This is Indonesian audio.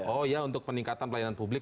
oh ya untuk peningkatan pelayanan publik